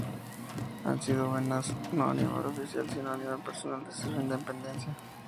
Han sido buenas no a nivel oficial, sino a nivel personal desde su independencia.